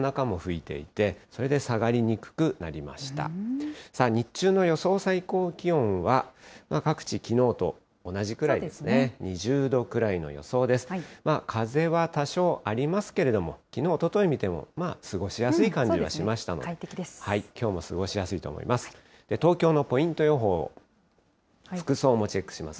風は多少ありますけれども、きのう、おととい見ても、まあ、過ごしやすい感じがしましたので、きょうも過ごしやすいと思います。